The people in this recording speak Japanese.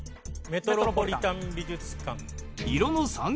メトロポリタン美術館。